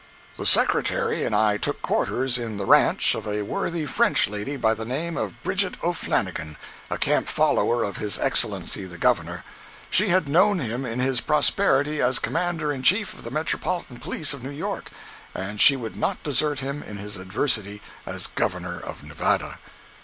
161.jpg (63K) The Secretary and I took quarters in the "ranch" of a worthy French lady by the name of Bridget O'Flannigan, a camp follower of his Excellency the Governor. She had known him in his prosperity as commander in chief of the Metropolitan Police of New York, and she would not desert him in his adversity as Governor of Nevada.